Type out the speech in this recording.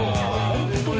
ホントに。